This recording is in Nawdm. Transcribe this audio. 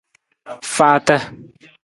Faata.